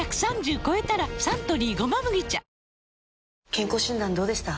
健康診断どうでした？